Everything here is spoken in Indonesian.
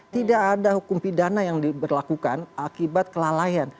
tidak ada hukum pidana yang diberlakukan akibat kelalaian